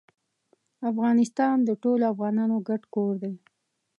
افغانستان د ټولو افغانانو ګډ کور دی.